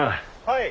はい。